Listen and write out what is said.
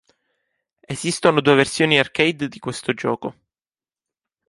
Esistono due versioni arcade di questo gioco.